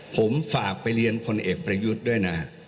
ผมฝากไปเรียนพลเอกประยุทธ์ด้วยนะ